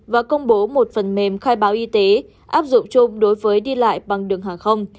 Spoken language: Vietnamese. và công bố một phần mềm khai báo y tế áp dụng chung đối với đi lại bằng đường hàng không